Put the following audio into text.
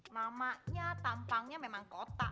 namanya tampangnya memang kota